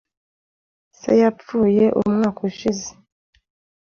Se yapfuye umwaka ushize.